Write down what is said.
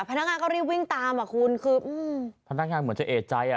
พนักงานก็รีบวิ่งตามอ่ะคุณคือพนักงานเหมือนจะเอกใจอ่ะ